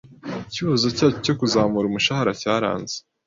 Icyifuzo cyacu cyo kuzamura umushahara cyaranze.